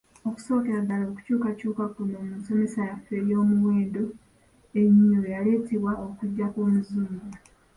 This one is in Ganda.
Okusookera ddala okukyukakyuka kuno mu nsomesa yaffe ey’Omuwendo ennyo yaleetebwa okujja kw’Omuzungu.